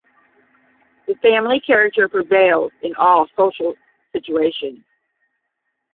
The family character prevails in all social situations.